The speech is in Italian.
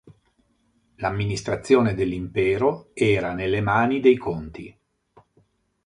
L'amministrazione dell'impero era nelle mani dei conti.